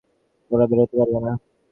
তোমরা কখনো এখান থেকে বেরোতে পারবে না!